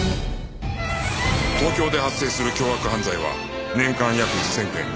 東京で発生する凶悪犯罪は年間約１０００件